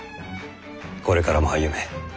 これからも励め。